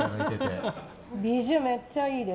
ビジュめっちゃいいです。